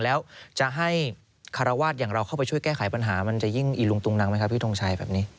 แล้วจะให้คารวาสอย่างเราเข้าไปช่วยแก้ไขปัญหามันจะยิ่งอีลุงตุงนังไหมครับพี่ทงชัยแบบนี้